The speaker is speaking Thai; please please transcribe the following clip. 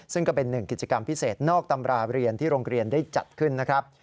ซึ่งก็เป็นหนึ่งกิจกรรมพิเศษนอกตำราเรียนที่โรงเรียนได้จัดขึ้นนะครับ